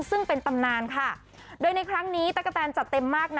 ซึ่งเป็นตำนานค่ะโดยในครั้งนี้ตะกะแตนจัดเต็มมากนะ